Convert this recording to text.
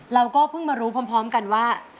เราก็เพิ่งมารู้พร้อมกันว่า